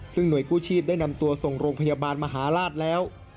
ซึ่งหน่วยกู้ชีพได้นำตัวส่งโรงพยาบาลมหาราชแล้ว